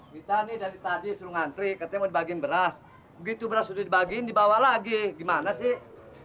kita nih dari tadi suruh ngantri ketemu dibagiin beras begitu beras sudah dibagiin dibawa lagi gimana sih